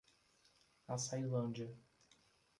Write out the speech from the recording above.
Açailândia